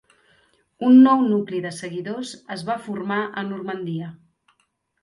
Un nou nucli de seguidors es va formar a Normandia.